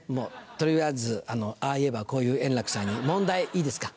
とりあえずああ言えばこう言う円楽さんに問題いいですか？